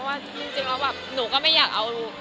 ว่าแต่สิตะวักหนูก็ไม่อยากเอา